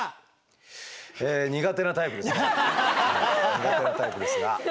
苦手なタイプですが。